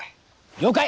了解！